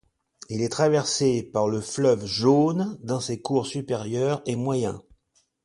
Il est traversé par le fleuve Jaune dans ses cours supérieur et moyen.